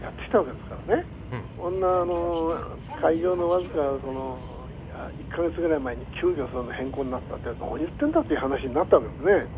こんな開業の僅か１か月ぐらい前に急きょ変更になったって何言ってんだっていう話になったわけですね。